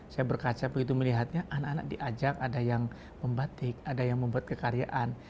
saya berkaca begitu melihatnya anak anak diajak ada yang membatik ada yang membuat kekaryaan